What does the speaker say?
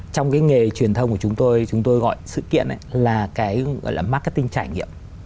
trong nghề truyền thông của chúng tôi chúng tôi gọi sự kiện là marketing trải nghiệm